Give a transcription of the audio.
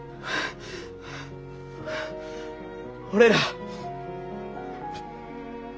俺ら。